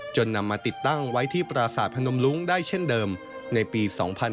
นำมาติดตั้งไว้ที่ปราศาสตร์พนมลุ้งได้เช่นเดิมในปี๒๕๕๙